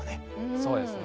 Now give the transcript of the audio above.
そうですね。